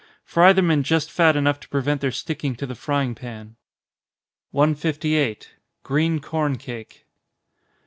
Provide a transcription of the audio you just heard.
Fry them in just fat enough to prevent their sticking to the frying pan. 158. _Green Corn Cake.